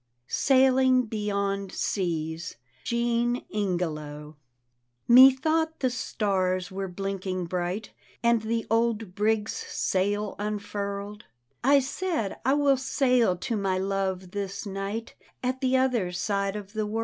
SAILING BEYOND SEAS : jban ingblow Methought the stars were blinking bri^t, And the old brig's sail unfurl'd; I said, " I will sail to my love this ni^t At the other side of the world."